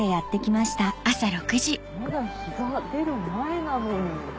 まだ日が出る前なのに。